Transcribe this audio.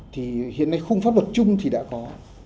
thì hiện nay khung pháp luật chung thì đã có